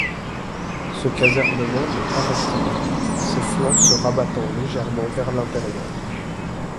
Ce casernement n'est pas rectiligne, ses flancs se rabattant légèrement vers l'intérieur.